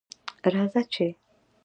راځه چې